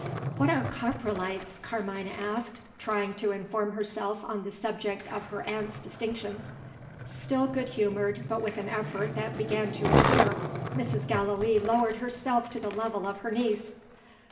"What are Coprolites?" Carmina asked, trying to inform herself on the subject of her aunt's distinctions. Still good humoured, but with an effort that began to appear, Mrs. Gallilee lowered herself to the level of her niece.